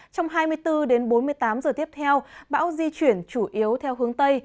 trong hai mươi bốn đến bốn mươi tám giờ tiếp theo bão di chuyển chủ yếu theo hướng tây